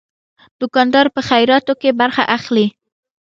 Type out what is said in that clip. دوکاندار په خیراتو کې برخه اخلي.